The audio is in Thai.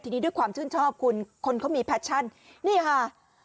ทีนี้ด้วยความชื่นชอบคุณคนเขามีแพชชั่นนี่ค่ะ